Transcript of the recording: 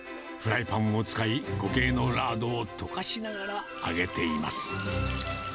フライパンを使い、固形のラードを溶かしながら揚げています。